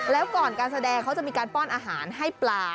แล้วก่อนการแสดงเขาจะมีการป้อนอาหารให้ปลา